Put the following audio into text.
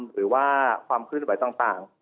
หรือว่าความขึ้นไว้ต่าง